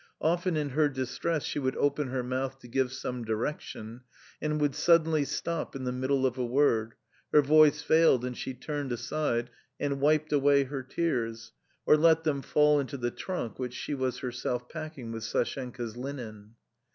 Often in her distress she would open her mouth to give some direction, and would suddenly stop in the middle of a word, her voice failed and she turned aside, and wiped away her tears, or let them fall into the trunk which she was herself packing with Sashenka's linen.